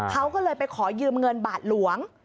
เขาก็เลยไปขอยืมเงินบาทหลวง